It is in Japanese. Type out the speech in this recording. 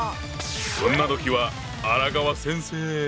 そんな時は荒川先生！